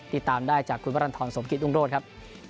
ติดตามได้จากคุณวัตรันทรสมกิษอุ้งโรธครับ